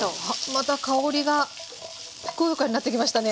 また香りがふくよかになってきましたね。